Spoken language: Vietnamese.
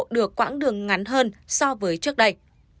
được quãng đường ngắn hơn so với trước đây